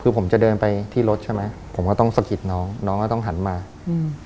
คือผมจะเดินไปที่รถใช่ไหมผมก็ต้องสะกิดน้องน้องก็ต้องหันมาอืม